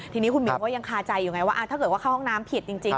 ทีนี้คุณมิวก็ยังคาใจอยู่ไงว่าถ้าเกิดว่าเข้าห้องน้ำผิดจริง